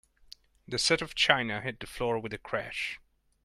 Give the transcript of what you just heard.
The set of china hit the floor with a crash.